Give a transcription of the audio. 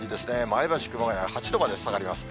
前橋、熊谷、８度まで下がります。